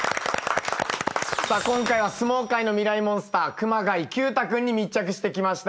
今回は相撲界のミライ☆モンスター熊谷毬太君に密着してきました。